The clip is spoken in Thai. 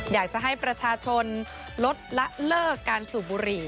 อยากจะให้ประชาชนลดละเลิกการสูบบุหรี่